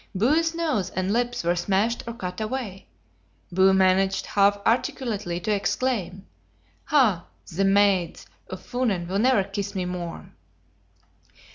Bue's nose and lips were smashed or cut away; Bue managed, half articulately, to exclaim, "Ha! the maids ('mays') of Funen will never kiss me more.